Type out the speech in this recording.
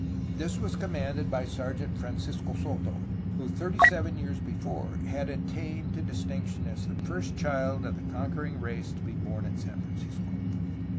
This was commanded by Sergeant Francisco Soto, who thirty seven years before had attained to distinction as the first child of the conquering race to be born at San Francisco.